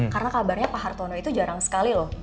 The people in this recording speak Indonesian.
karena kabarnya pak hartono itu jarang sekali loh